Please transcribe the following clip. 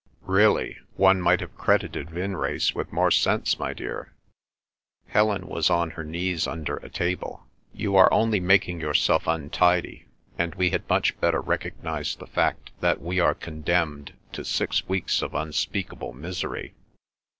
Really one might have credited Vinrace with more sense. My dear," Helen was on her knees under a table, "you are only making yourself untidy, and we had much better recognise the fact that we are condemned to six weeks of unspeakable misery.